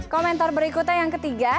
komentar berikutnya yang ketiga